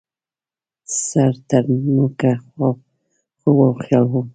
سر ترنوکه خوب او خیال وم